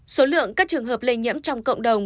số lượng các trường hợp lây nhiễm trong cộng đồng